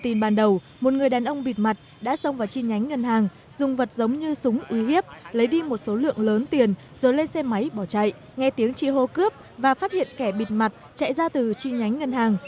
tin ban đầu một người đàn ông bịt mặt đã xông vào chi nhánh ngân hàng dùng vật giống như súng uy hiếp lấy đi một số lượng lớn tiền rồi lên xe máy bỏ chạy nghe tiếng chi hô cướp và phát hiện kẻ bịt mặt chạy ra từ chi nhánh ngân hàng